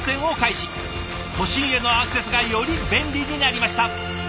都心へのアクセスがより便利になりました。